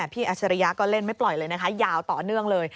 อัชริยะก็เล่นไม่ปล่อยเลยนะคะยาวต่อเนื่องเลย